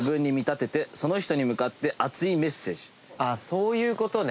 そういうことね。